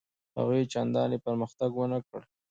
هغوی چنداني پرمختګ ونه کړ.